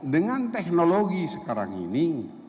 dengan teknologi sekarang ini